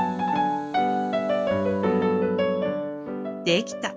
できた！